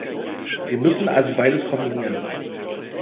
Wir müssen also beides kombinieren.